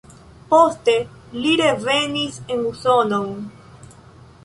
Poste li revenis en Usonon.